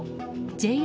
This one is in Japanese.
ＪＲ